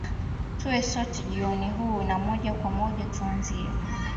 tuwe sote jioni hii na moja kwa moja tuanzie